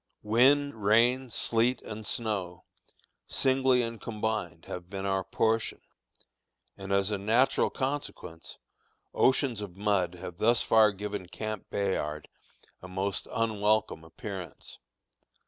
Wind, rain, sleet, and snow, singly and combined, have been our portion, and as a natural consequence, oceans of mud have thus far given Camp Bayard a most unwelcome appearance.